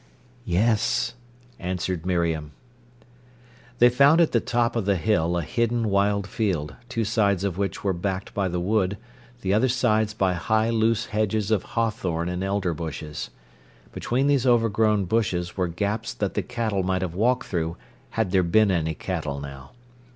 "Yes," answered Miriam. They found at the top of the hill a hidden wild field, two sides of which were backed by the wood, the other sides by high loose hedges of hawthorn and elder bushes. Between these overgrown bushes were gaps that the cattle might have walked through had there been any cattle now.